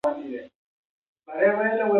عطایي د ولسي ادب ژغورنه مهمه ګڼله.